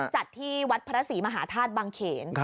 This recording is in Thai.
จัดที่วัดพระศรีมหาธาตุบังเขน